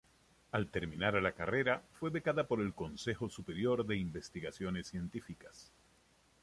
Al terminar la carrera fue becada por el Consejo Superior de Investigaciones Científicas.